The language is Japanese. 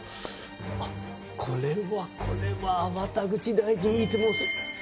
これはこれは粟田口大臣いつも。